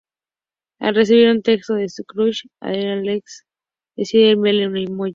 Al recibir un texto de su "crush" Addie, Alex decide enviarle un emoji.